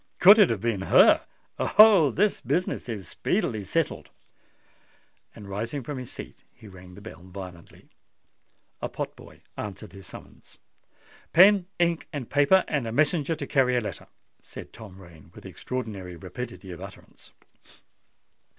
could it have been her? Oh! this business is speedily settled!" And rising from his seat, he rang the bell violently. A pot boy answered the summons. "Pen, ink, and paper, and a messenger to carry a letter," said Tom Rain, with extraordinary rapidity of utterance.